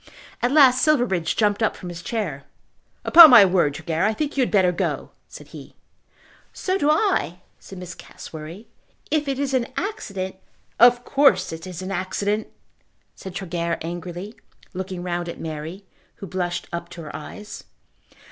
At last Silverbridge jumped up from his chair. "Upon my word, Tregear, I think you had better go," said he. "So do I," said Miss Cassewary. "If it is an accident " "Of course it is an accident," said Tregear angrily, looking round at Mary, who blushed up to her eyes.